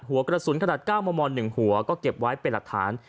หัวกระสุนขนาด๙มม๑หัวก็เก็บไว้เป็นหลักฐาน